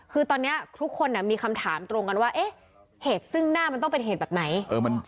คือตอนนี้ทุกคนมีคำถามตรงกันว่าเอ๊ะเหตุซึ่งหน้ามันต้องเป็นเหตุแบบไหน